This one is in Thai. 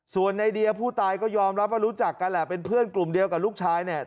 ส่วนในเดียผู้ตายก็ยอมรับว่ารู้จักกันแหละเป็นเพื่อนกลุ่มเดียวกับลูกชายเนี่ย